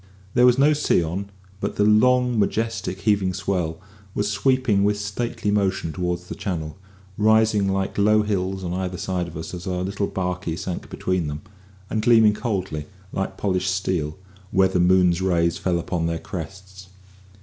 There was no sea on, but the long, majestic, heaving swell was sweeping with stately motion towards the Channel, rising like low hills on either side of us as our little barkie sank between them, and gleaming coldly, like polished steel, where the moon's rays fell upon their crests.